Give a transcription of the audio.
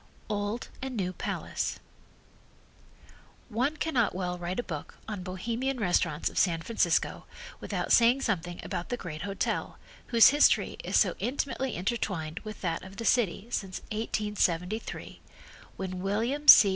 Old and New Palace One cannot well write a book on Bohemian restaurants of San Francisco without saying something about the great hotel whose history is so intimately intertwined with that of the city since 1873, when William C.